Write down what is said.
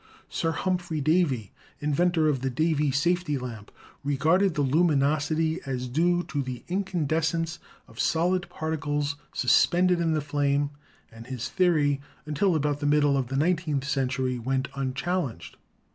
Sir Humphrey Davy — inventor of the Davy Safety Lamp — regarded the luminosity as due to the incandescence of solid particles suspended in the flame, and this theory* until about the middle of the nineteenth century, went unchallenged!